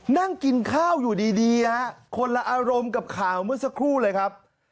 นั่งกินข้าวอยู่ดีคนละอารมณ์กับข่าวเมื่อสักครู่เลยครับ